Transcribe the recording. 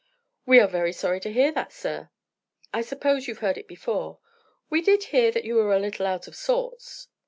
"We are very sorry to hear that, sir." "I suppose you've heard it before." "We did hear that you were a little out of sorts."